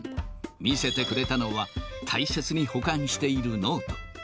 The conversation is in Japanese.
見せてくれたのは、大切に保管しているノート。